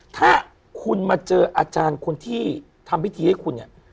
ถ้าคุณมาเจออาจารย์คนที่ทำพิธีให้คุณเนี่ย